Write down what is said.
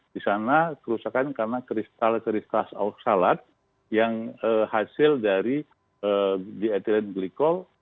disana kerusakan karena kristal kristal salat yang hasil dari di ethylene glycol